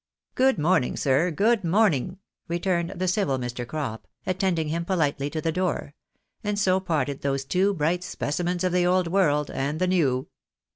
" Good morning, sir, good morning," returned the civil Mr. Crop, attending him pohtely to the door ; and so parted those two bright specimens of the old world and the new.